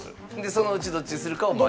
そのうちどっちにするかを迷う。